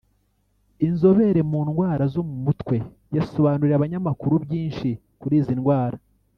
inzobere mu ndwara zo mu mutwe yasobanuriye abanyamakuru byinshi kuri izi ndwara